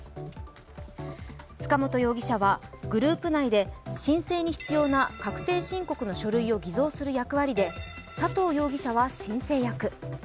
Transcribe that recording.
塚本容疑者はグループ内で申請に必要な確定申告の書類を偽造する役割で佐藤容疑者は申請役。